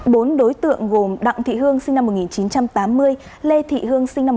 bốn đối tượng gồm đặng thị hương sinh năm một nghìn chín trăm tám mươi lê thị hương sinh năm một nghìn chín trăm tám